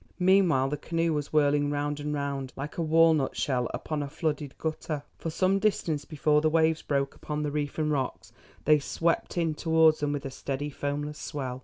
Meanwhile the canoe was whirling round and round like a walnut shell upon a flooded gutter. For some distance before the waves broke upon the reef and rocks they swept in towards them with a steady foamless swell.